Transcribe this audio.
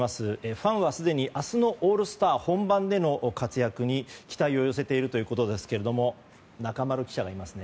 ファンはすでに明日のオールスター本番での活躍に期待を寄せているということですけど中丸記者がいますね。